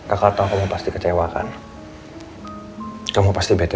apa yang kamu k roasted ya